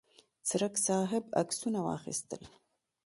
څرک صاحب عکسونه واخیستل.